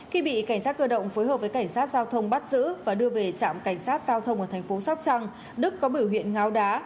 khi bị cảnh sát cơ động phối hợp với cảnh sát giao thông bắt giữ và đưa về trạm cảnh sát giao thông ở thành phố sóc trăng đức có biểu hiện ngáo đá